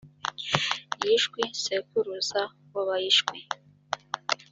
yishwi sekuruza w’abayishwi.